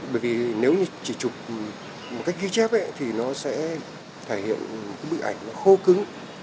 bởi vì nếu như chỉ chụp một cách ghi chép ấy thì nó sẽ thể hiện một bức ảnh khô cứng